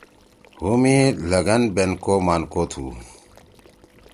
ہُم یی لگھن بینکو مانکو تُھو